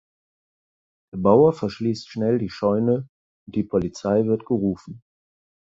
Der Bauer verschließt schnell die Scheune und die Polizei wird gerufen.